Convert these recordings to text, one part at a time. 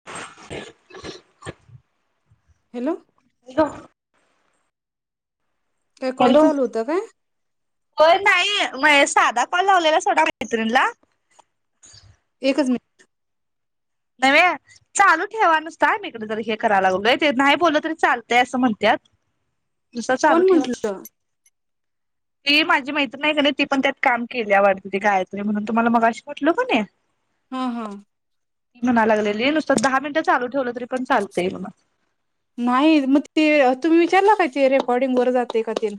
[inaudible] Hello [unintelligible] काय call hello चालू हुता काय? होय ताई म य साधा कॉल लावलेला सोडा मैत्रिणला. एकच [unintelligible] चालू ठेवा नुसता मी इकड जरा हे करायला लागलोय. ते नाही बोलल तरी चालतय अस म्हणत्यात. [inaudible] नुसता चालू कोण ठेवा. म्हंटलं ती माझी मैत्रीण हाय का नाही, ती पण त्यात काम केल्या वाटत ती गायत्री म्हणून. तुम्हाला मघाशी म्हटलो की नाही. हा हा ती म्हणा लागलेली नुसत दहा मिनट चालू ठेवल तरी पण चालतय. नाही मग ते तुम्ही विचारल का ते रेकॉर्डिंग वर जातय का ते.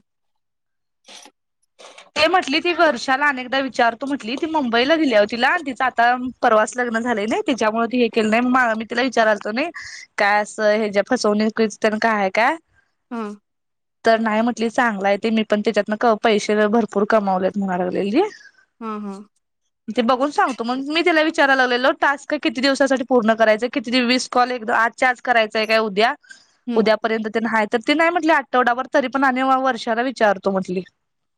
ते म्हटली ती वर्षाला अनेकदा विचारतो म्हटली, ती मुंबईला दिल्या ओ तिला. आणि तिच आता परवाच लग्न झालय नही. तीच्यामुळे ते हे केल नाही. मा मी तिला विचारालतो नही. काय अस हे जे फसवणुकीचन ते न काय आहे का? हम्म तर नाही म्हटली, चांगल हाय ते. मी पण त्याच्यातन क पैसे भर पुर कमावलेत म्हणाय लागलेली. हा हा ते बघून सांगतो. मग मी तीला विचारयला लागलो टास्क किती दिवसासाठी पूर्ण करायच. किती दिवस वीस कॉल एक आठ चाच करायचाय काय उद्या. हम्म उद्यापर्यंत ते नाहीय. तर ते नाही म्हटली. आठवडाभर तरी पण आणि वर्षाला विचारतो म्हटली.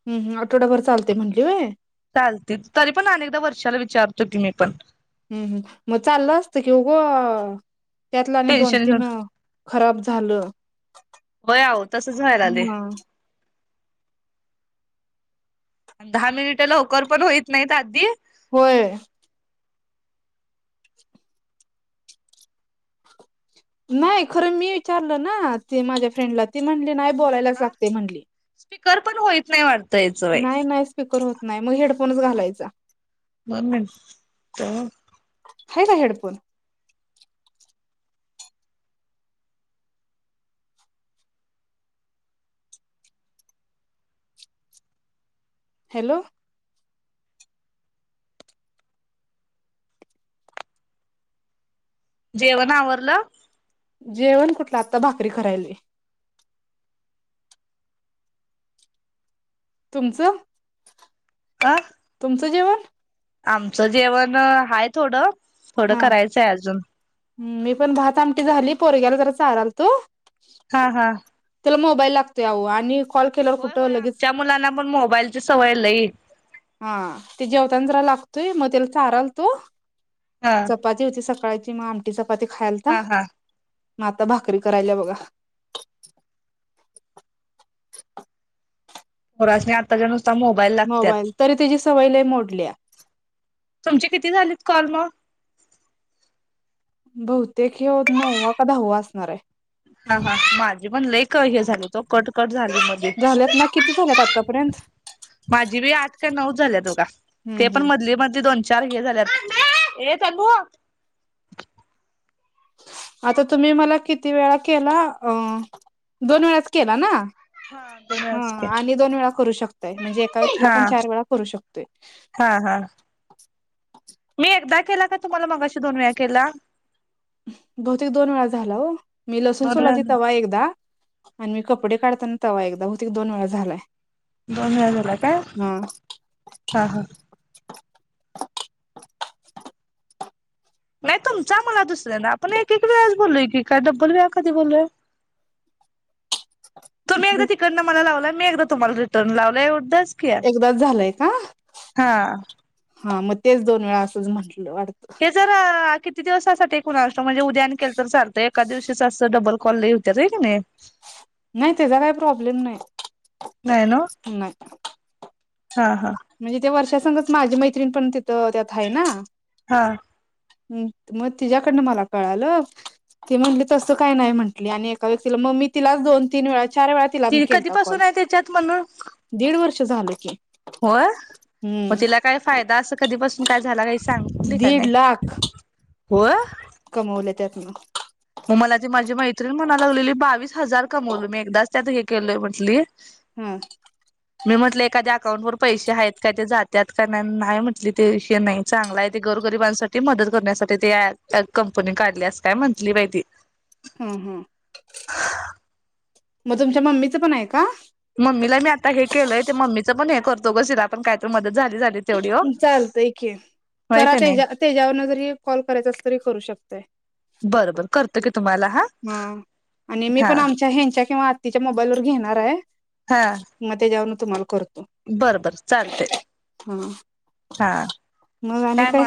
हम्म हम्म, आठवडाभर चालते म्हणली व्हय. चालत्यात, तरी पण आणि ऐकदा वर्षाला विचारतो की मी पण. हम्म हम्म, मग चालल असत कि उग त्यातल आणि दोन टेन्शन घेऊन तीन खराब झाल. व्हय आहो तसच व्हायला आलय. दहा मिनिट लवकर पण होईत नाहीत आधी होय नाही खर मी विचारल ना ते माझ्या फ्रेंडला. ती म्हणली नाही बोलायलाच लागते म्हणली. फिकर पण होईत नाही वाट नाही नाही स्पीकर होत नाही मग हेडफोनच घालायचा. दोन मीनीट तो. हाय ना हेडफोन. हॅलो. जेवण आवरलं? जेवण कुठलं आत्ता भाकरी करायलोय. तुमचं. आ. तुमचं जेवन. आमचं जेवण हाय थोडं, थोडं हा करायचंय अजून. मी पण भात आमटी झाली पोरग्याला जरा चाारालतो. हा हा. त्याला मोबाईल लागतोय आहो आणि कॉल केल्यावर होय कुठं होय लगेच आमच्या मुलांना पण मोबाईलची सवय लई. हा ते जेवता ना जरा लागतोय, मग त्याला चारालतो. हा चपाती होती सकाळची मग आमटी चपाती खायलता. हा हा म आता भाकरी करायला बघा. [inaudible] पोरासणी आताच्या नुसता मो मोबाईल तरी त्याची सवय लय मोडल्या. तुमची किती झालीत कॉल मग? बहुतेक हे नवा का दाहावा असणार आहे. हा हा माझे पण लेई हे झाले तो कटकट झाले मध्येच. झाल्यात ना किती झाल्यात आतापर्यंत माझी बी आठ का नऊ झाल्यात बघा हम्म ते पण हम्म मधली मधली दोन चार हे झाल्यात ये समु. आता तुम्ही मला किती वेळा केला, अं दोन वेळाच केला ना. हा आणि दोन वेळा करू शकताय म्हणजे एका व्यक्तीला पण चार वेळा करू शकतोय. हा हा. मी एकदा केला का तुम्हाला मगाशी दोन वेळा केला? बहुतेक दोन वेळा झाला हो, मी लसूण दोन वेळा सोलालते तवा एकदा आणि मी काढताना तवा एकदा बहुतेक दोन वेळा झालाय. दोन वेळा झाला काय, हा हा हा. नाही तुमचा मला दुसरनधा आपण एक एक वेळाच बोललोय की काय डब्बल वेळा कधी बोलोय, तुम्ही एकदा तिकडंन मला लावलाय मी एकदा तुम्हाला रिटर्न लावलाय एवढंच की एकदाच झालंय का, हा हा मग तेच दोन वेळा असंच म्हंटलं वाटतं. हे जरा किती दिवसासाठी कुणास ठाऊक म्हणजे उद्या केलं तर चालतंय एका दिवशीच असं डबल कॉल लय होत्यात होय की नय. नाही त्याचा काय प्रॉब्लेम नाही, नाही नव्ह ना. हा हा. म्हणजे त्या वर्षा संगच माझी मैत्रीण पण तिथं त्यात आहे ना. हा. हं मग तिच्यायाकडनं मला कळालं ती म्हटली तसं काही नाही म्हटली आणि एका व्यक्तीला मग मीन तिलाच दोन तीन वेळा चार वेळा तिला मी ति केलता कॉल कधीपासून आहे त्याच्यात म्हण. दीड वर्ष झालं की होय म हम्म तिला काय फायदा अस कदीपासून काय झाला काय सांगितली काय दीड नाई लाख होय कमवले त्यातन मग मला ती माजी मैत्रीिण म्हणालागलेली बावीस हजार कमवलो मी एकदाच त्यात हे केलोय म्हंटली हम्म मी म्हटलं एखाद्या अकाउंटवर पैसे हाइत का ते जात्यात का ना न्हाय म्हटली ते वि नइ चांगला हाय ते गोरगरिबांसाठी मदत करण्यासाटी ते कंपनी काढल्या अस काय मंथली बाय ती ह ह मग तुमच्या मम्मीचं पण हाय का मम्मीला मी आता हे केलोय ते मम्मीचं पण हे करतो उगच तिला काय तर मदत झाली झाली तेवढी ओ चालतय की होय करा का नाही तेजा तेज्यावरन जरी कॉल करायच असल तरी करू शकताय बरं बरं करतो की तुम्हाला हा आणि मी हा पण आमच्या हेंच्या किंवा तिच्या मोबाईल वर घेणाराय हा मध्ये जाऊन तो म्हाल करतो बरं बर चालतय हम् हा मग आणि काय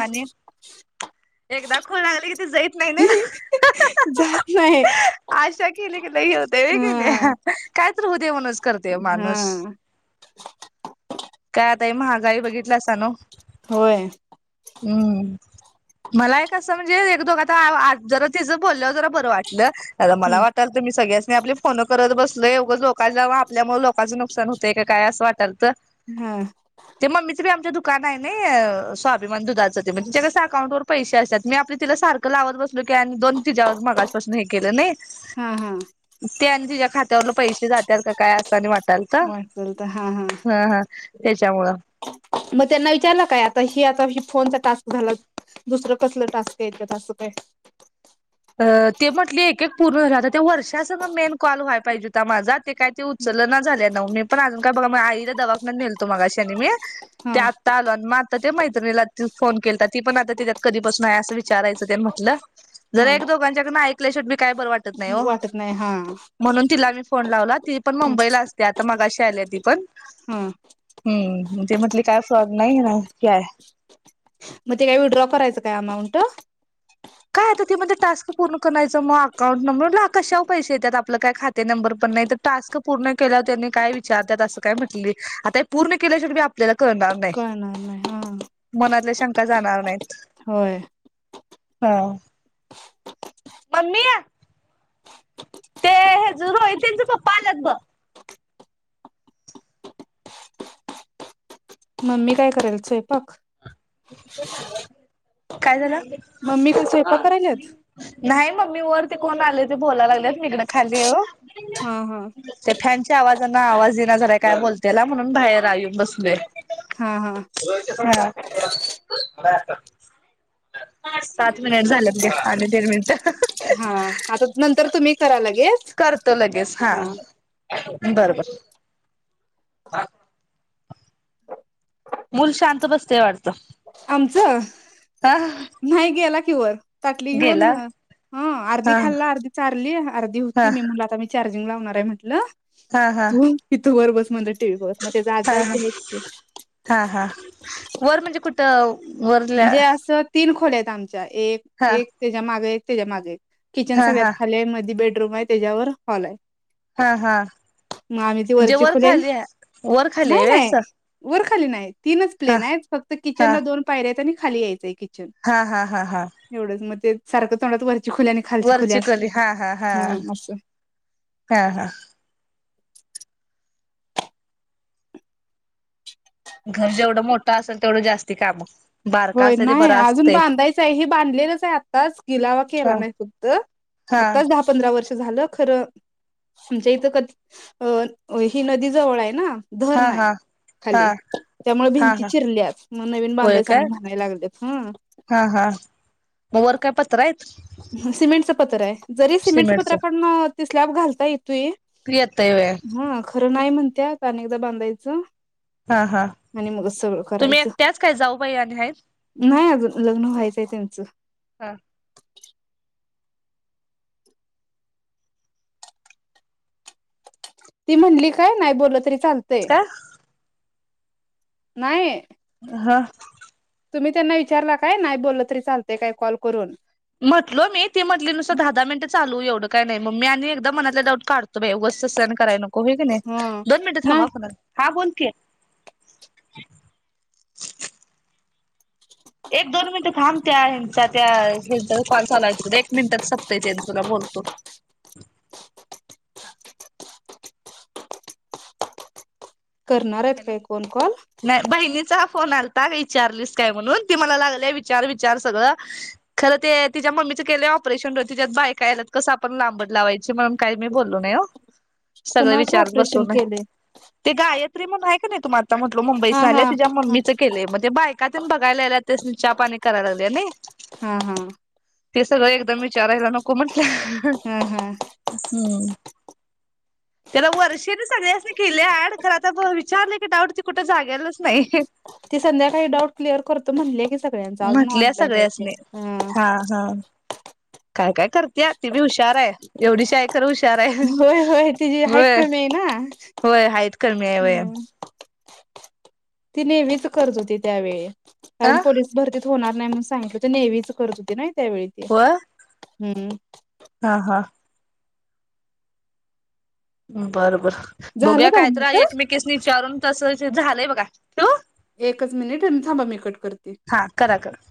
एकदा खुल लागली कि जइत नाही ह ह ह जात नाही आशा केली कि लइ हे हुतय होय हा कनी काय तर हुदे म्हणूनच करतय ओ माणूस हा काय आता हे महागाई बघितलासा नोव होय हम्म मला एक कसं म्हणजे एक दोघ आ व आत जरा तिज बोल्यावर जरा बर वाटलं नइत मला वाट तर मी सगळ्यांसनी आपली फोन करत बसलोय उगच लोकांची नाव आपल्यामुळ लोकाचं नुकसान हुतय का काय असं वाटलत हम ते मम्मीचं बी आमच्या दुकानाय नइ स्वाभिमान दुधाचं ते म्हणज तेजच अकाउंट वर पैसे असत्यात मी आपल तिला सारख लावत बसलो की आणि दोन तिजावर मगाजपासन हे केलं नइ हा हा ते आणि ति्ज्या खात्यावरला पैशे जात्यात का काय असं आणि वाट वाटल तर हा हा तेच्यामुळं मग तेना विचारला काय आता ही आता ही फोनचा टास्क झाला दुसरं कसलं टास्क येत्यात असं काय ते म्हटली एक एक पूर्ण वाटला ते वर्षास मेन कॉल व्हाय पाइजेत माझा ते काय ती उचलना झाल्या नव मी पण अजून काय बगा आईला दवाखान्यला नेलत त मगाशानी मी हा ते आत्ता आलो आणि म तर ते मैत्रिणीला ज फोन केलता ती पण आता तेज्यात कधीपासन हाय असं विचारायचं तेन म्हटलं हा जरा एक दोघांच्याकडन ऐकल्या शिवट बी काय बरं वाटत नाय ओ वाटत नाही हा म्हणून तिला मी फोन लावला ती पण मुंबईला असत्या आता मगाशी आल्या ती पण हा हम्म म ते म्हटले काय स्वाग नाई ना काय मग ते विड्रॉ करायचं काय अमाऊंट काय आता ते म्हणत्यात टास्क पूर्ण करायचं. मग अकाउंट नंबर ला कशाव पैसे येतात. आपलं काय खात ते नंबर पण नाही. तर टास्क पूर्ण केल्यावर तेनी काय विचारतात असं काय म्हटली? आता हे पूर्ण केल्याशिवाय बी आपल्याला कळणा कळणार नाय हा. मनातल्या शंका जाणार नाहीत. होय. हा. मम्मी ते हेज रोहित त्यांच पप्पा आल्यात बघ. मम्मी काय कराल्या सयपाक? [inaudible] काय झालं? मम्मी काय स्वयंपाक करायल्यात? नाही मम्मी वर ते कोण आले? ते बोलायला लागलेत, मी इकडं खाली हाय वो. हा हा ते फॅनच्या आवाजांन आवाज येईना झालयं, काय बोलत्याला. म्हणून बाहेर आ येऊन बसलोय. हा हा. हा. [inaudible] सात मिनिट झालंत घ्या, आणि दीड मिनिट हा आता नंतर तुम्ही करा लगेच. करतो लगेच हा. [inaudible] बर बरं. मूल शांत बसतेय वाटत. आमचं. [inaudible] नाही गेला कि वर. ताटली घेऊन. गेला हं अर्धी हा खाल्ला, अर्धी चारली, अर्धी हा होती, मी मुला आता म चार्जिंग लावणार आहे म्हटल. हा हा तु इथं वर बस म्हणलं टीव्हीवर. म तेज आजा हा हा आजी हायत की हा हा. वर म्हणजे कुठ? त वर म्हणजे असं तीन खोल्या आहेत आमच्या. एक हा ते एक त्याच्या माग एक त्याच्या माग एक. किचन हा सगळ्यात हा खाली आहे, मध्ये बेडरूम आहे, त्याच्यावर हॉल आहे. हा हा [inaudible] मग आम्ही ती म्हणजे वरची वर खोलीयेन, खाली वर [inaudible] खाली नाही आहे असं नाही. वर खाली नाही. तीनच हा प्लेनायत फक्त किचन हा ला दोन पायऱ्यायत. आणि खाली यायचं आहे किचन. हा हा हा हा. एवढंच मग ते सारखं तोंडात वरची खोली वरची खोली. हा हा हा [inaudible] हा हा. घर जेवढं मोठं असेल, तेवढं जास्ती काम. बारका होय असते ते नाय बरा अजून असते बांधायचं आहे. हे बांधलेलंच आहे आत्ताच, गिलावा केला हा नाही फक्त. हा आत्ताच दहा पंधरा वर्ष झालं खरं इथं कधी [inaudible] अ, ही नदी जवळ आहे ना. धरण हा आहे हा हा खाली. त्यामुळे हा भिंती हा चिरल्यात मग, नवीन होय बांधाया सांगल काय आणि म्हणायला लागलेत. हं. हा हा. वर काय पत्रा आयेत? सिमेंटचं पत्र आहे. जरी सिमेंटचं सिमेंटच पत्र काढून स्लॅब घालता येतोय. येतय व्हय [inaudible] हा खरं नाही म्हणत्यात, कारण एकदा बांधायचं. हा हा. आणि मगच सगळं [inaudible] तुम्ही करायचं एकट्याच काय जाऊ आणि आहेत? नाही अजून, लग्न व्हायचंय त्यांचं. आहेत [inaudible] ती म्हणली काय नाही बोललं तरी चालतंय. का नाही. हां. तुम्ही त्यांना विचारला काय नाही बोललं तरी चालत काय कॉल करून? म्हटलो मी, ती म्हटली नुसत दहा दहा मिनटं चालू एवढं काय नाही मग मी आणि एकदा मनातला डाऊट काढ [unintelligible] सहन कराय नको हाय की नाही. ह दोन मिनिट नाही थांबा [unintelligible] हां बोल की एक दोन मिनटं थांब त्या ह्याचा त्या ह्याचा कॉल चालू हाय तिकडे एक मिनिटात संपतय त्याचं तुला बोलतो करणार आहेत हॅलो बाई कोन कोन नाही बहिणीचा फोन आलता विचारलीस काय म्हणून ती मला लागली विचार विचार सगळं खरं ते तिच्या मम्मीचं केलेलं ऑपरेशन तिच्यात बायका आयलात कसं आपण लांबड लावायची म्हणून काय मी बोललो नाही हो. सगळं कुणाच विचारत बसलो ऑपरेशन नाही केलंय? ते गायत्री म्हणून आहे का नाही तुम्हा तर म्हटलो हा मुंबईसा आल्या हा तिच्या हा मम्मीचं केलय म्हणजे बायकात्यानं बघायला आल्यात त्यासनी चहा पाणी कराला लागले नाही. हां हां. ते सगळं एकदम विचारायला नको म्हटलं. हां हां. हम्म त्याला वर्षेने सगळे अस केले ऍड खर ता विचारले की डाऊट त कुठं जागालाच नाही ते संध्याकाळी डाऊट क्लिअर करतो म्हटले की सगळ्यांचा अजून म्हटल्या ऑनलाईन यायचे, सगळ्यासनी हां हा हा काय काय कर त्या ती बी हुशार आहे एवढीशी हाय खर हुशार आहे व्हय. हे ना होय आहेत क हम्म [unintelligible] ती नेहमीच करत होती त्यावेळी अ कारण पोलीस भरतीत होणार नाही म्हणून सांगितल नेव्हिच करत होती ना त्यावेळी ते. हम्म. हां हां. बर बर झालं बघूया दहा कायतर मिनिटं एकमेकीसनी विचारून तसं झालंय बघा अह एकच मिनिट थांबा मी कट करते. हां करा करा.